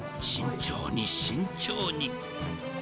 慎重に慎重に。